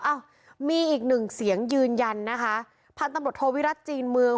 อ้าวมีอีกหนึ่งเสียงยืนยันนะคะพันธุ์ตำรวจโทวิรัติจีนเมือง